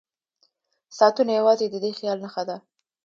ساعتونه یوازې د دې خیال نښه ده.